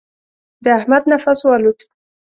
د احمد نفس والوت.